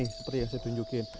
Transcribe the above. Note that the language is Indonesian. seperti yang saya tunjukkan